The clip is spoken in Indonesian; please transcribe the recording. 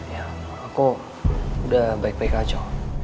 ya aku udah baik baik aja